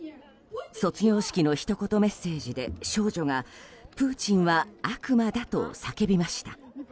卒業式のひと言メッセージでプーチンは悪魔だ！と叫びました。